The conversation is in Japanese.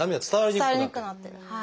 伝わりにくくなってる。